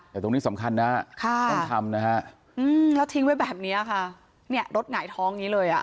แต่ตรงนี้สำคัญนะฮะต้องทำนะฮะแล้วทิ้งไว้แบบนี้ค่ะเนี่ยรถหงายท้องอย่างนี้เลยอ่ะ